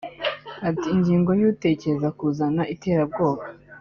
Ati “Ingingo y’utekereza kuzana iterabwoba